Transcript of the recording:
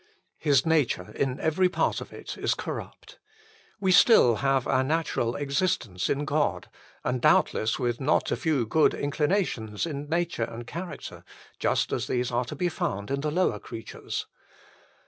His nature in every part of it is corrupt. We still have our natural existence in God, and doubtless with not a few good inclinations in nature and character, just as these are to be found in the lower creatures.